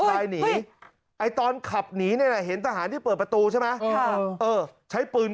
ตายหนีไอ้ตอนขับหนีเนี่ยนะเห็นทหารที่เปิดประตูใช่ไหมใช้ปืน